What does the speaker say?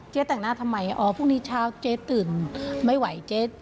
เจ๊แต่งหน้าทำไมพรุ่งนี้เช้าเจ๊ตื่นไม่ไหว